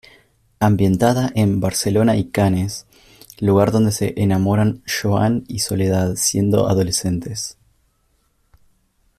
Ambientada en Barcelona y Cannes, lugar donde se enamoran Joan y Soledad siendo adolescentes.